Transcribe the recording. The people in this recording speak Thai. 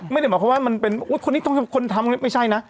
ไม่ได้บอกว่ามันเป็นคนนี้ต้องคนทำไม่ใช่นะ